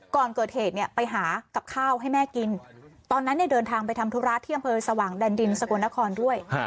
ก่อนเกิดเหตุเนี่ยไปหากับข้าวให้แม่กินตอนนั้นเนี่ยเดินทางไปทำธุระที่อำเภอสว่างแดนดินสกลนครด้วย